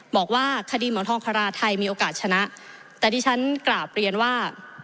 บอกว่าคดีหมอนทองคาราไทยมีโอกาสชนะแต่ที่ฉันกราบเรียนว่า